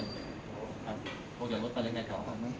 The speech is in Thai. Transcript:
ลงจากรถไปยังไงครับ